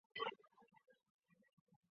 它的边缘外翻而不是总是抬起。